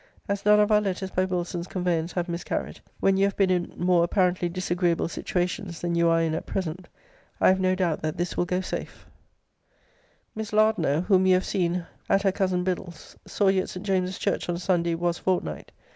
As none of our letters by Wilson's conveyance have miscarried, when you have been in more apparently disagreeable situations than you are in at present, [I have no doubt] that this will go safe. * See Letter XX. of this volume. Miss Lardner* (whom you have seen hat her cousin Biddulph's) saw you at St. James's church on Sunday was fortnight.